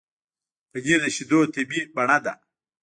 پنېر د شیدو طبیعي بڼه ده.